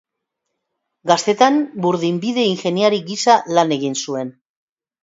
Gaztetan burdinbide-ingeniari gisa lan egin zuen.